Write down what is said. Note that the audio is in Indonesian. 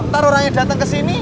ntar orangnya datang ke sini